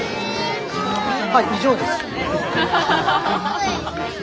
はい以上です。